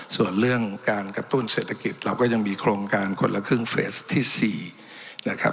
ส่วนเรื่องการกระตุ้นเศรษฐกิจเราก็ยังมีโครงการคนละครึ่งเฟสที่๔นะครับ